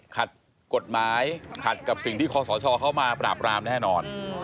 ขัดกฎหมายขัดกับสิ่งที่คอสชเข้ามาปราบรามแน่นอน